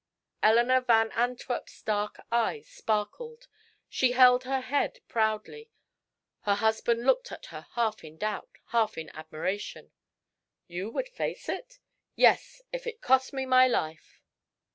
Eleanor Van Antwerp's dark eyes sparkled, she held her head proudly. Her husband looked at her half in doubt, half in admiration. "You would face it?" "Yes, if it cost me my life."